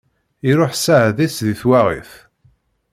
Iruḥ sseɛd-is di twaɣit.